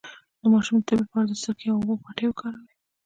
د ماشوم د تبې لپاره د سرکې او اوبو پټۍ وکاروئ